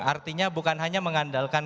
artinya bukan hanya mengandalkan